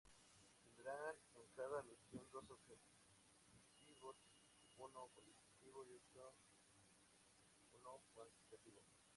Tendrán en cada misión, dos objetivos: uno cualitativo y uno cuantitativo.